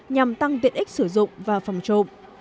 nhằm tăng tiện ích sử dụng và phòng trộm